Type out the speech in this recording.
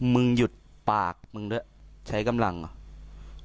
มึงหยุดปากมึงด้วยใช้กำลังเหรอ